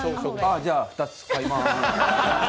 じゃあ、２つ買いまーす。